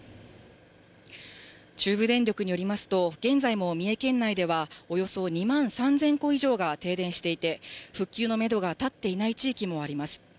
中部電力によりますと、現在も三重県内ではおよそ２万３０００戸以上が停電していて、復旧のメドが立っていない地域もあります。